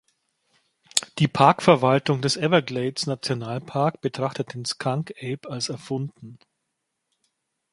Die Parkverwaltung des Everglades-Nationalpark betrachtet den Skunk Ape als erfunden.